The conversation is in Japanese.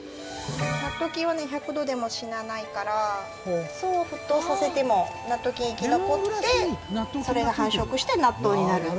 納豆菌はね１００度でも死なないからそう沸騰させても納豆菌生き残ってそれが繁殖して納豆になるっていう。